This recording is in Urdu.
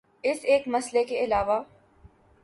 اس ایک مسئلے کے علاوہ